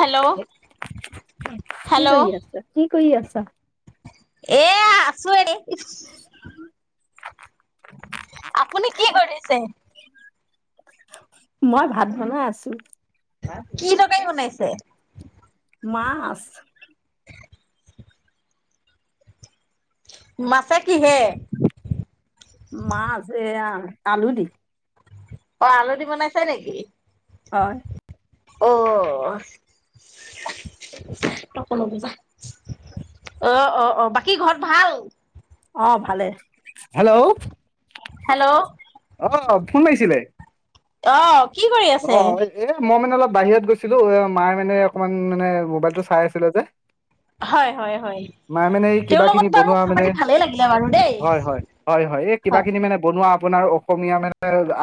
Hello কি hello কৰি আছা? কি কৰি আছা? এয়া আছো এনেই। ইছ [inaudible] আপুনি কি কৰিছে? মই ভাত বনাই আছো। কি তৰকাৰী বনাইছে? মাছ। [inaudible] কিহে? মাছ এয়া আলু দি। অ' আলুদি বনাইছে নেকি? হয়। অ' অ' অ' অ', বাকী ঘৰত ভাল? অ' ভালে। হেল্ল', অহ ফোন লাগিছিলে? অঁ অ এ, এইয়ে মই মানে অলপ বাহিৰত গৈছিলো। এ মায়ে মানে অকমান মানে মোবাইল টো চাই আছিলে যে হয় হয় হয়। মাই মানে এই তেওঁৰ কিবা লগত খিনি বাৰু বনোৱা কথা মানে, পাতি ভালেই লাগিলে বাৰু দেই। হয় হয়, হয় হয়, এই কিবা কিবি মানে বনোৱা আপোনাৰ অসমীয়া মানে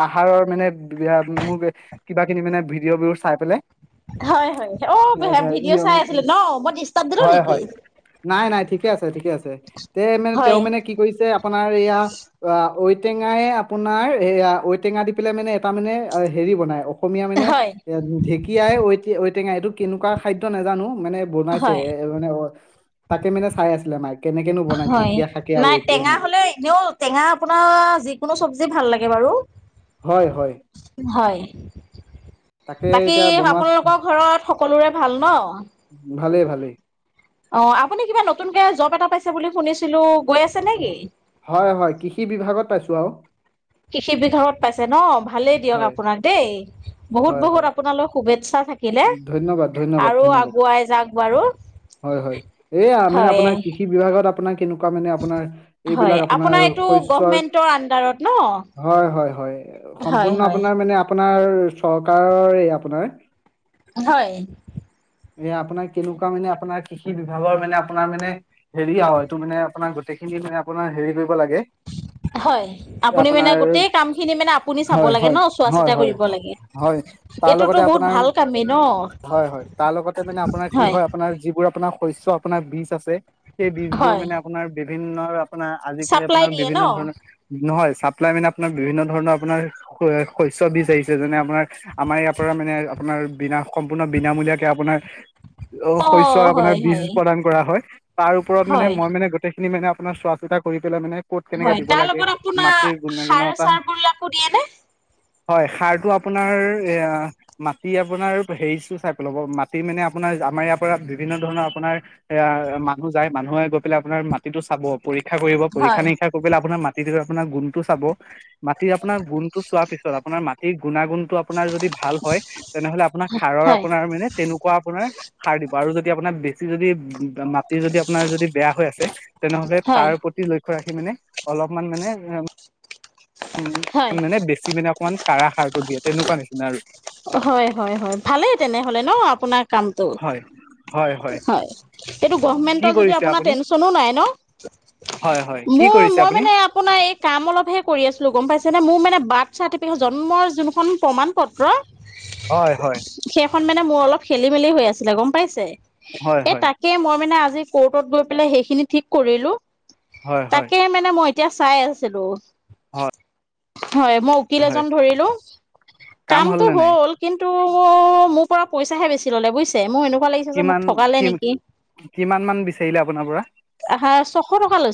আহাৰৰ মানে ম কিবা কিনি মানে ভিডিঅ' বো- হয় হয় অ' ভে' ভিডিঅ' চাই আছিলে ন মই দিষ্টাব দিলো নেকি? নাই-নাই ঠিকে আছে, ঠিকে আছে, তে মানে হয় তেওঁ মানে কি কৰিছে আপোনাৰ এইয়া আ ঔটেঙাই আপোনাৰ এইয়া ঔটেঙা দি পেলাই মানে এটা মানে হেৰি বনাই অ- সমীয়া মানে হয়। এ ঢেঁকীয়াই ঔ, টে, ঔ টেঙাই। এইটো কেনেকুৱা খাদ্য নাজানো। মানে বনাইছে। হয় মানে অ তাকে মানে চাই আছিলে মাই হয়। নাই টেঙা হলে এনেও টেঙা আপোনাৰ যিকোনো চব্জি ভাল লাগে বাৰু হয় হয় হয়। তাকে বাকী এতিয়া বনোৱা আপোনালোকৰ ঘৰত সকলোৰে ভাল ন'? ভাল-ভালে অ! আপুনি কিবা নতুনকে জব এটা পাইছে বুলি শুনিছিলো? গৈ আছে নেকি? ষি বিভাগত পাইছোঁ আৰু কৃষি বিভাগত পাইছে ন'? ভালেই দিয়ক হয় আপোনাক দেই। হয় বহুত-বহুত হয় আপোনালৈ শুভে- ধন্যবাদ ধন্যবাদ ধন্যবাদ! আগুৱাই যাওক বাৰু। হয় হয়। এইয়া মানে হয় আপোনাৰ কৃষি বিভাগত আ- নাৰ কেনু- ৱা মানে আপোনাৰ হয় এইবিলাক আপোনাৰ এইটো শস্যৰ, গভমেন্টৰ আণ্ডাৰত ন? হয় হয় হয়, হয় সম্পূৰ্ণ হয়। আপোনাৰ মানে আ- আপোনাৰ চৰকাৰৰে আপোনাৰ হয় এ আপোনাৰ কেনেকুৱা মানে আপোনাৰ কৃষি বিভাগৰ মানে আপোনাৰ মানে হেৰি আৰু এইটো মানে আপোনাৰ গোটেইখিনি মানে আপোনাৰ হেৰি কৰি- হয় আপুনি মানে আপোনাৰ গোটেই কামখিনি মানে আপুনি চাব হয় লাগে হয় ন চোৱা হয় চিতা হয় কৰিব লাগে? হয় তাৰ এইটোতো লগতে বহুত আপোনাৰ ভাল কামেই ন হয় হয়, তাৰ লগতে মানে আপোনাৰ কি হয়, আপোনাৰ যি- বোৰ আপোনাৰ শস্য আপোনাৰ বীছ আছে সেই বীজবোৰ হয় মানে আপোনাৰ বি- ভিন্ন আপোনাৰ, আজিকালি চাপ্লাই আপোনাৰ দিয়ে ন বিভিন্ন ধৰণৰ নহয় চাপ্লাই মানে আপোনাৰ বিভিন্ন ধৰণৰ আপোনাৰ শ্ বিজ আহিছে যেনে আপোনাৰ আমাৰ ইয়াৰ পৰা মানে, আপোনাৰ বিনা সম্পূৰ্ণ বিনামূলীয়াকে আপোনাৰ অ' শস্যক আপোনাৰ হয় বীজ হয় প্ৰদান কৰা হয় তাৰ ওপৰত মানে হয় মই মানে গোটেই, খ মানেপোনাৰ চোৱা চিতা কৰি পেল মানে, ক'ত কেনেকে হয় দিব তাৰ লাগে লগত মাটিৰ আপোনাৰ সাৰ গুণাগুণতা চাৰবিলাকো দিয়ে নে হয় সাৰটো আপোনাৰ এ মাটি আপোনাৰ হেৰিো চাই পেলাব মাটি মানে আপোনাৰ আমাৰ ইয়াৰ পৰা বিভিন্ন ধৰণৰ আপোনাৰ এ মানুহ যায় মানুহে গৈ পেলাই আপোনাৰ মাটিতটো চাব পৰীক্ষা কৰিব। পৰীক্ষা হয় নিৰীক্ষা কৰি পেলাই আপোনাৰ মা তে আপোনাৰ গুণটো চাব। মাটিৰ আপোনাৰ গুণ টো চোৱাৰ পিছত আপোনাৰ মাটিৰ গুণাগুণ টো আপোনাৰ যদি ভাল হয় তেনেহ'লে আপোনাৰ সাৰৰ হয় আপোনাৰ মানে তেনেকুৱা আপোনাৰ সাৰ দিব। আৰু যদি আপোনাৰ বেছি যদি বা মাটি যদি আপোনাৰ যদি বেয়া হৈ আছে তেনেহ'লে হয় তাৰ প্ৰতি ল ক্ষ্য ৰাখি মানে অলপমান মানে উ হয় মানে বেছি মানে অকমান কাঢ়া সাৰটো দিয়ে, তেনেকুৱা নিচিনা আৰু। হয়, হয়, হয় ভালেই তেনেহ'লে ন, আপোনাক কামটো হয় হয় হয় এইটো কি গভমেণ্টৰ যদি কৰিছে আপুনি টেনশ্যনো নাই ন, হয় হয় কি মোৰ কৰিছে মই আপুনি মানে আপোনাৰ কাম অলপহে কৰি আছো। কিয় গ'ম পাইছেনে? মোৰ মানে বাৰ্থ চাৰ্টিফিকেট জন্মৰ যোনখন প্ৰমাণ পত্ৰ হয়, হয়। খন মানে মোৰ অলপ খেলি মেলি হৈ আছিলে গম পাইছে হয় এ হয় তাকে মই মানে আ গ প সেইখিনি ঠিক কৰিলো হয় হয় তাকে মানে মই এতিয়া চাই আছিলো। হয়। হয় মই উকিল হয় এজন ধৰিলো কাম কামটো নে নাই হ'ল কিন্তু, মোৰ পৰা পইচােছি ললে বুজিছে মই এনে, লাগিছে মোক, কিমান ঠগালে নেকি কিমান মান বিচাৰিলে আপোনাৰ পৰা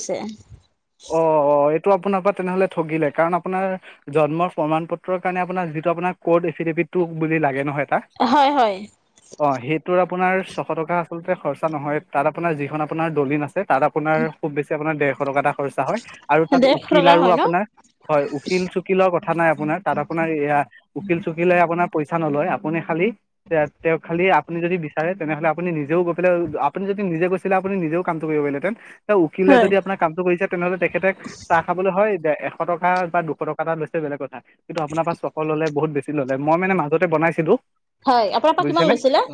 তে অ', অ', এই টো আপোনাৰ পৰা তেনেহ'লে ঠগিলে কাৰণ আপোনাৰ জন্ম প্ৰমাণ পত্ৰৰ কাৰণে আপোনাৰ যিটো আপোন কৰ্ট এফডেভিটটো বুলি লাগে নহয় [unintelligible] হয় হয় অ' সেইটোৰ আপোনাৰ ছশ টকা [unintelligible] খৰচা নহয় তাত আপোনাৰ যিখন আপোনাৰ দলিন আছ তাত আপোনাৰ খুব বেছি আপোনাৰ দেৰ শৰ টকা এটা হয় আৰু তাত ডেৰশ উকিল টকা আৰু হয় ন আপোনাৰ হয় উকিল চকিলৰ কথা নাই আপোনাৰ তাত আপোনাৰ এয়া উকিল চকিল আপোনাৰ পই স্থানলৈ আপুনি খালী তে তেওঁ খালি আপুনি যদি তেনেহ'লে আপুনি নিজেও গৈ পেলাই আপুনি যদি নিজে গৈছিলে আপুনি নিজেও কাম কৰিব পাৰিলেহেঁতেন। এ উকিলে হয় যদি আপোনাৰ কামটো কৰিছে তেখেতে চাহ খাবলৈ হয় দে এশ টকা বা দুশ টকা এটা লৈছে বেলেগ কথা। কিন্তু আপোনাৰ পৰা ছশ ল'লে বহুত বেছি ল'লে মই মানে মাজতে বনাইছিলো। হয় আপোনাৰ পৰা কিমান বুজিছেনে? লৈছিলে।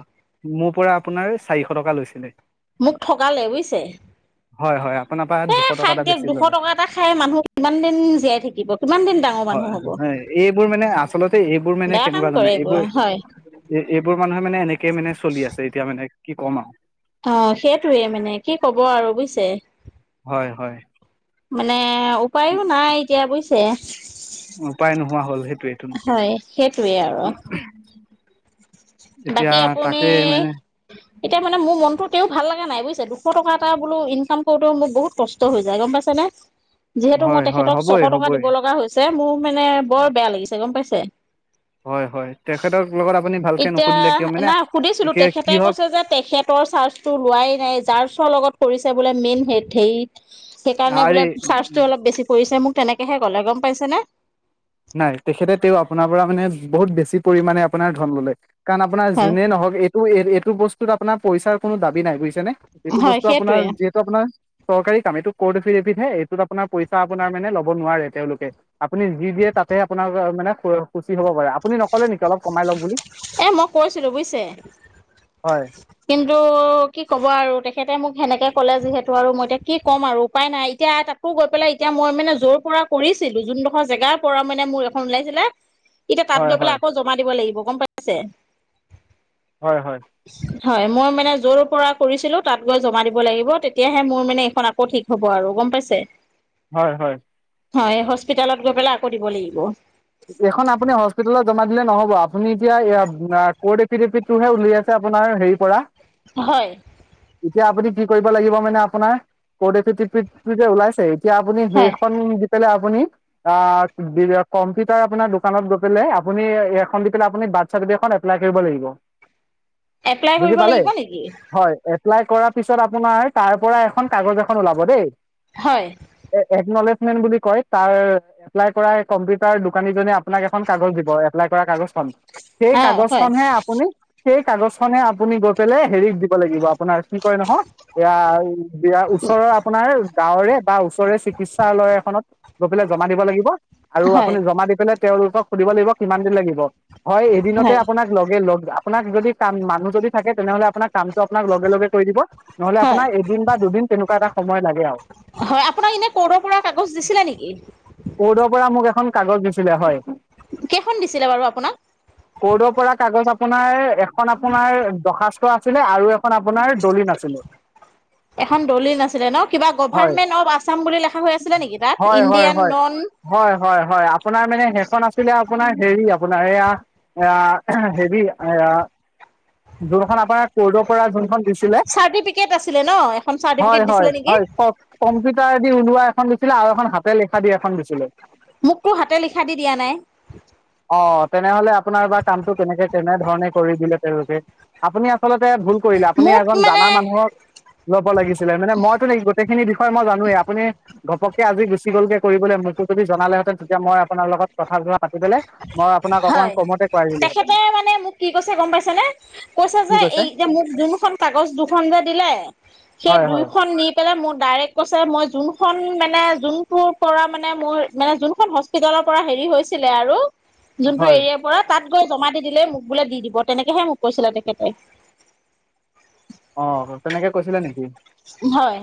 মোৰ পৰা আপোনাৰ চাৰিশ টকা লৈছিলে। মোক ঠগালে বুজিছে। হয় হয়। আপাৰ দুশ টকা এটা এশ ললে। টকা এটা খাই মানুহ কিমান দিন জীয়াই থাকিব কিমান দিন ডাঙৰ মানুহ হয় হ'ব। হয় এইবোৰ মানে আচলতে এইবোৰ মানে বেয়া কাম কেনেকুৱা জানে কৰে এইবোৰ, হয় এইবোৰ মানুহে মানে এনেকে মানে চলি আছে এতিয়া মানে। কি ক'ম আৰু। অ' সেইটোৱেই মানে কি ক'ব আৰু বুজিছে। হয় হয়। মানে এ উপায়ো নাই এতিয়া বুজিছ [unintelligible] উপায় নোহোৱা হ'ল সেইটোৱেইতো। হয় সেইটোৱে আৰু বাকী এতিয়া আপুনি তাকে মানে এতিয়া মানে মোৰ মনটো তেওঁ ভাল লগা নাই বুজিছে, দুশ টকা এটা বোলো ইনকাম কৰোতেওঁ মোৰ বহুত কষ্ট হৈ যায় গম পাইছে নে। যিহেতু হয় মই হয় তেখেতক হ'বই ছশ টকা হ'বই। দিব লগা হৈছ [unintelligible] মানে বৰ বেয়া লাগিছে গম পাইছ [unintelligible] হয় হয়, তেখেতৰ লগত আপুনি ভাল এতিয়া, নাই সুধিছিলোঁ তেখেতে হওক কৈছে যে তেখেতৰ চাৰ্জটো লোৱাই নাই জাৰ্চৰ লগত কৰি চাবোলে মেইন হেত হেই সেইকাৰণে আৰে বোলে চাৰ্জটো অলপ বেছি পৰিছে মোক। তেনেকেহে গ'লে, গম পাইছে নে? নাই, তেখেতে তেওঁ আপোনাৰ পৰা মানে বহুত বেছি পৰিমানে আপোনাৰ ধন ললে। কাৰণ আপোনাৰ হয় যোনে নহওক এইটো এই এইটো বস্তু আপোনাৰ পইচা কোনো দাবী নাই বুউইছেনে, যেইটো হয় বস্তু আপোনাৰ সেইটোৱে যিহেতু আপোনাৰ চৰকাৰী কাম, এইটো কৰ্ট এফিদেভিত হে, এইটোত আপোনাৰ পইচা আপোনাৰ মানে লব নোৱাৰে তেওঁলোকে, আপুনি যি দিয়ে তাতে আপোনাৰ মানে সূচী হব পাৰে, আপুনি নকলে নেকি? অলপ কমাই লওক বুলি এ' মই কৈছিলোঁ বুইছে। হয় কিন্তু, কি ক'ব আৰু তেখেতে মোক সেনেকে কলে যিহেতু আৰু মই এতিয়া কি ক'ম আৰু উপায় নাই এতিয়া তাকো গৈ পেলাই এতিয়া মই মানে যৰ পৰা কৰিছিলো যোনডোখৰ জেগাৰ পৰা মানে মোৰ এখন ওলাইছিলে এতিয়া তাত হয় গৈ পেলাই হয় আকৌ জমা দিব লাগিব। গম পাইছে? হয় হয়। হয়, মই মানে যৰ পৰা কৰিছিলো তাত গৈ জমা দিব লাগিব, তেতিয়াহে মোৰ মানে এইখন আকৌ ঠিক হ'ব আৰু গম পাইছে? হয় হয়। হয়, হস্পিতেলত গৈ পেলায় আকৌ দিব লাগিব। এইখন আপুনি হস্পিতালত জমা দিলে নহব, আপুনি এতিয়া এইয়া কৰ্ট এফিডেভিটটোহে উলিয়াইছে আপোনাৰ হেৰিৰ পৰা। হয়। এতিয়া আপুনি কি কৰিব লাগিব মানে আপোনাৰ, কৰ্ট এফিদাভিতটো যে ওলাইছে। এতিয়া আপুনি হয় সেইখন [inaudible] আপুনি আ কম্পিউটাৰ আপোনাৰ দোকানত গৈ পেলায়, আপুনি এইখন দি পেলাই আপুনি বাৰ্থ চাৰ্টিফিকেটখন এপ্লাই কৰিব লাগিব। এপ্লাই বুজি কৰিব পালে লাগিব নেকি? হয় এপ্লাই কৰাৰ পিছত আপোনাৰ তাৰ পৰা এখন কাগজ এখন ওলাব দেই। হয় এ' একনলেজ [inaudible] বুলি কয়, তাৰ এপ্লাই কৰা তাৰ দোকানীজনে আপোনাক এখন কাগজ দিব, এপ্লাই কৰা কাগজখন। সেই অ হয় কাগজখনহে আপুনি, সেই কাগজখনহে আপুনি গৈ পেলাই হেৰিত দি লাগিব, আপোনাৰ কি কয় নহয় এয়া, বিয়া, ওচৰৰ আপোনাৰ গাঁৱৰে বা ওচৰৰে চিকিৎসালয় এখনত গৈ পেলাই জমা দিব লাগিব। আৰু আ হয় আপুনি জমা দি পেলাই তেওঁলোকক সুধিব লাগিব কিমান দিন লাগিব। হয় এদিনতে হয় আপোনাক লগে লগ আ আপোনাক যদি কাম মানুহ যদি থাকে, তেনেহলে আপোনাক কামটো আপোনাক লগে লগে কৰি দিব নহ'লে হয় আপোনাৰ এদিন বা দুদিন তেনেকুৱা এটা সময় লাগে আৰু। হয় আপোনাক এনে কৰবাৰ পৰা কাগজ দিছিলে নেকি? ক'ৰ্টৰ পৰা মোক এখন কাগজ দিছিলে হয়। কেইখন দিছিলে বাৰু আপোনাক? কৰ্তৰ পৰা কাগজ আপোনাৰ এখন আ আপোনাৰ দৰ্খাস্ত আছিলে আৰু এখন আপোনাৰ দলিল আছিলে এখন দলিল আছিলে ন কিবা হয় গভাৰমেন্ট অফ আছাম বুলি লিখা হৈ আছিলে নেকি তাত হয় হয় ইণ্ডিয়ান হয় নন? হয় হয় হয় আপোনাৰ মানে সেইখন আছিলে আপোনাৰ হেৰি আ আপোনাৰ আ আ হেৰি আ যোনখন আপোনাৰ কৰ্ডৰ পৰা যোনখন দিছিলে চাৰ্টিফিকেট আছিলে ন এখন হয় চাৰ্টিফিকেট হয় দিছিলে নেকি হয় ক কম্পিউটাৰদি ওলোৱা এ [inaudible] ছিলে আৰু এখন হাতে লেখা দি এখন দিছিলে। মোকতো হাতে লিখা দি দিয়া নাই অ' তেনেহলে আপোনাৰ বা কামটো কেনেকে কে এনে ধৰণে কৰি দিলে তেওঁলোকে আপুনি আচলতে ভুল কৰিলে আপুনি মোক এজন মানে জানা মানুহক ল'ব লাগিছিলে মানে, মইতো গোটেইখিনি বিষয়ে মই জানোৱেই আপুনি ঘপকে আজি গুচি গল কে কৰিবলৈ মোকতো যদি জনালে তেতিয়া মই আপোনাৰ লগত কথা বতৰা পাতি পেলাই মই আপোনাক অকণমান হয় কমতে কৰাই দিলোহেঁতেন তেখেতে মানে মোক কি কৈছে গম পাইছেনে? কৈছে যে এই যে মোক যোনখন কাগজ দুখন যে দিলে সেই হয় হয় দুয়ইখন নি পেলাই মোৰ ডাইৰেক্ট কৈছে মই যোনখন মানে যোনটো পৰা মানে মোৰ মানে যোনখন হস্পিতালৰ পৰা হেৰি হৈছিলে আৰু যোনটো হয় এৰিয়াৰ পৰা তাত গৈ জমা দি দিলে মোক বোলে দি দিব তেনেকেহে মোক কৈছিলে তেখেতে। অ' তেনেকে কৈছিলে নেকি? হয়।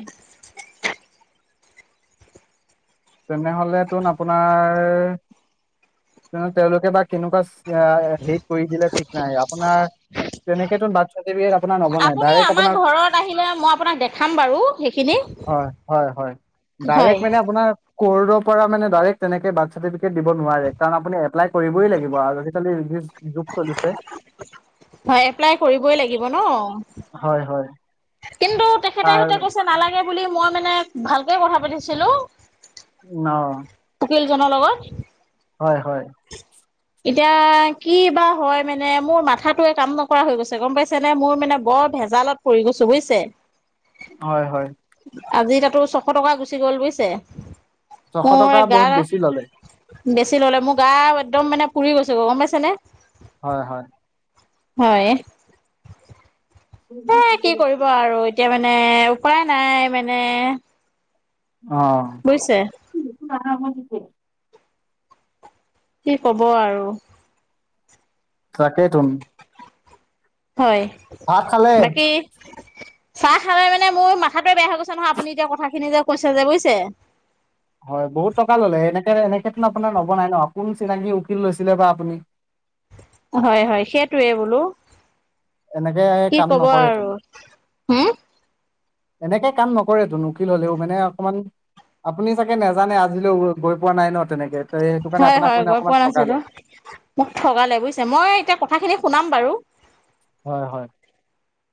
তেনেহলে তোন আপোনাৰ তেওঁলোকে বা কেনেকুৱা হে কৰি দিলে ঠিক নাই আপোনাৰ তেনেক বাৰ্থ চটিফিকেত নবনাই আপুনি ডাইৰেক আমাৰ আপোনাৰ, ঘৰত আহিলে মই আপোনাক দেখাম বাৰু সেইখিনি হয় হয় হয়, ডাই্ট হয় মানে আপোনাৰ কৰ পৰা মানে ডাইৰেক তেনেকে বাৰ্থ চাৰ্টিফিকেট দিব নোৱাৰে কাৰণ আপুনি এপ্লাই কৰিবই লাগিব। আজি কালি হয় এপ্লাই কৰিবই লাগিব ন? হয়, হয় কিন্তু তেখেতে তাৰ সিতে কৈছে নালাগে বুলি, মই মানে ভালকে কথা পাতিছিলো। অ'। উকীল জনৰ লগত। হয় হয়। এতিয়া কি বা হয়, মানে মোৰ মাথাটো কাম নকৰা হৈ গৈছে, গম পাইছে নে মোৰ মানে বৰ ভেজালত পৰি গৈছো বুজিছে। হয় হয়। আজি তাতো ছশ টকা গুচি গ'ল বুজিছে। ছশ মোৰ টকা গা বহুত বেছি ললে। বেছি ললে, মোৰ গা একদম মানে পুৰি গৈছো গ গম পাইছে নে? হয়, হয়। হয়। হেই কি কৰিব আৰু এতিয়া মানে মানে উপাই নাই মানে। অ', বুজিছে নাহা হ'ল কি কি কব আৰু। তাকেইতন হয়, বাকী চাহ খালে মানে মোৰ মাথাটোৱে বেয়া হৈ গৈছে নহয় আপুনি এতিয়া কথাখিনি যে কৈছে যে বুজিছে। হয় বহুত টকা ললে, এনেক এনে [unintelligible] আপোনাৰ নবনাই ন কোন চিনাকী উকিল লৈছিলে বা আপুনি। হয় হয় সেইটোৱে বোলো। এনেকে কি কাম কব আৰু, নকৰেতোন হম? এনেকে কাম নকৰেতো, ঊকীল হলেও মানে অকমান আপুনি চাগে নোজানে আজিলৈ গৈ পোৱা নাই ন তেনেকে। ত সেইটো কাৰণে হয় আপোনাক হয়, মানে গৈ অকমান পোৱা ঠগালে নাছিলো, মোক ঠগালে বুজিছে। মই এতিয়া কথাখিনি শুনাম বাৰু। হয় হয়।